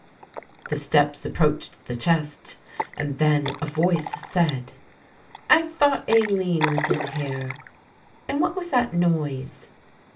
The steps approached the chest and then a voice said, "I thought Aline was in here; and what was that noise?"